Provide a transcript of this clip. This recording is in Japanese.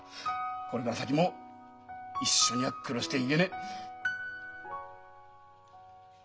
これから先も一緒には暮らしていけねえ。